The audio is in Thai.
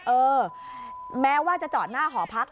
เออแม้ว่าจะจอดหน้าหอพัก